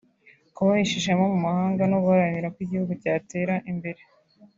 kubahesha ishema mu mahanga no guharanira ko igihugu cyatera imbere